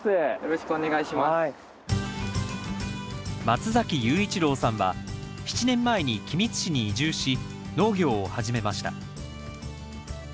松崎裕一郎さんは７年前に君津市に移住し農業を始めました。